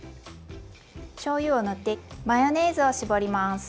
しょうゆを塗ってマヨネーズを絞ります。